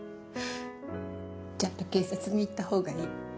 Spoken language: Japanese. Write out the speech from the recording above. ちゃんと警察に行った方がいい。